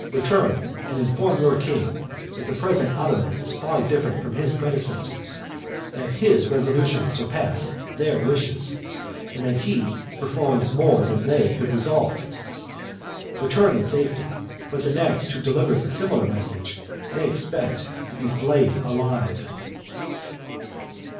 Return, and inform your king, that the present Ottoman is far different from his predecessors; that his resolutions surpass their wishes; and that he performs more than they could resolve. Return in safety—but the next who delivers a similar message may expect to be flayed alive."